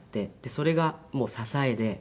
それがもう支えで。